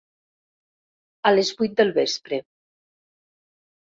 A les vuit del vespre.